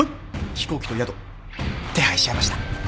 飛行機と宿手配しちゃいました。